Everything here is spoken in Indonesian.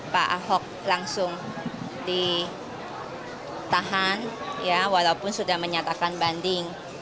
pak ahok langsung ditahan walaupun sudah menyatakan banding